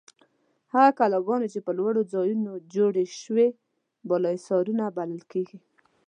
هغه کلاګانې چې په لوړو ځایونو جوړې شوې بالاحصارونه بلل کیږي.